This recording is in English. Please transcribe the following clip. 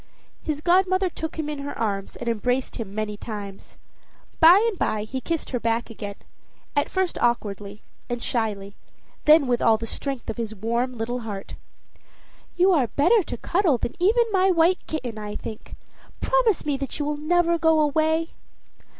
His godmother took him in her arms and embraced him many times. By and by he kissed her back again at first awkwardly and shyly, then with all the strength of his warm little heart. "You are better to cuddle than even my white kitten, I think. Promise me that you will never go away."